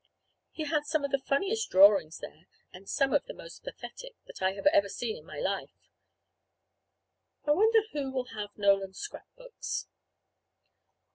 He had some of the funniest drawings there, and some of the most pathetic, that I have ever seen in my life. I wonder who will have Nolan's scrap books.